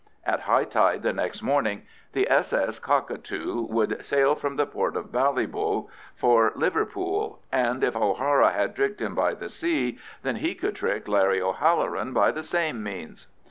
At high tide the next morning the s.s. Cockatoo would sail from the port of Ballybor for Liverpool, and if O'Hara had tricked him by the sea, then he could trick Larry O'Halloran by the same means.